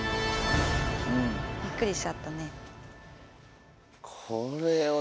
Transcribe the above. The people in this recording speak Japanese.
びっくりしちゃったね。